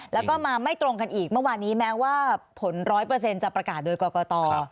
แล้วก็มาไม่ตรงกันอีกเมื่อวานนี้แม้ว่าผล๑๐๐จะประกาศโดยกรกต